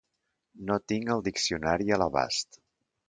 No tinc el diccionari a l'abast.